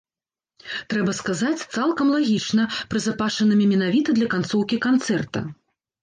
Трэба сказаць, цалкам лагічна прызапашанымі менавіта для канцоўкі канцэрта.